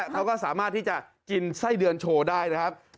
เขาก็สามารถที่จะกินไส้เดือนโชว์ได้นะครับ